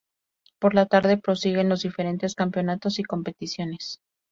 Por la tarde prosiguen los diferentes campeonatos y competiciones.